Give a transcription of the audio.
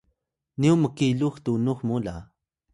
nyu mkilux tunux mu la